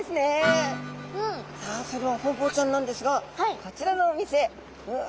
さあそれではホウボウちゃんなんですがこちらのお店うわ